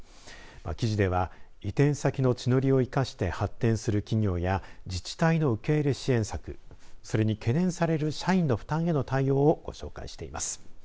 記事では、移転先の地の利を生かして発展する企業や自治体の受け入れ支援策、それに懸念される社員の負担への対応をご紹介しています。